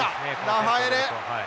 ラファエレ。